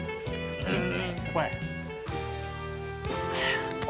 うん。